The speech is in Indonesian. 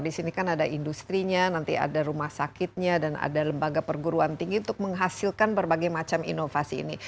di sini kan ada industri rumah sakit dan ada lembaga perguruan tinggi untuk menghasilkan berbagai macam inovasi ini